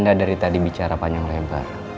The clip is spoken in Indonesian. anda dari tadi bicara panjang lebar